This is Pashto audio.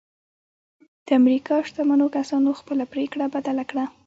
د امريکا شتمنو کسانو خپله پرېکړه بدله کړه.